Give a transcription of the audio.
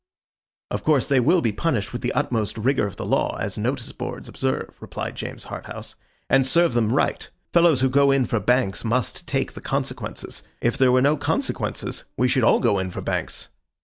'Of course, they will be punished with the utmost rigour of the law, as notice boards observe,' replied James Harthouse, 'and serve them right. Fellows who go in for Banks must take the consequences. If there were no consequences, we should all go in for Banks.